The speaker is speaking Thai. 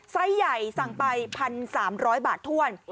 ไส้ใหญ่สั่งไป๑๓๐๐บาทถ้วน